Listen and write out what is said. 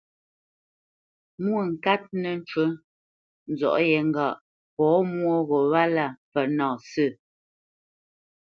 Mwôŋkát nə́ ncú nzɔ̌ʼ yé ŋgâʼ pɔ̌ mwô gho wálā mpfə́ nâ sə̂.